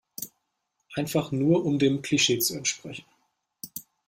Einfach nur um dem Klischee zu entsprechen.